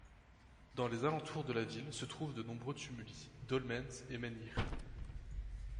Dans les alentours de la ville se trouvent de nombreux tumuli, dolmens et menhirs.